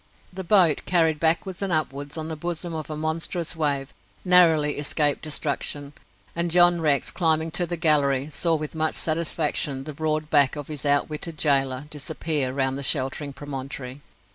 The boat, carried backwards and upwards on the bosom of a monstrous wave, narrowly escaped destruction, and John Rex, climbing to the gallery, saw with much satisfaction the broad back of his out witted gaoler disappear round the sheltering promontory.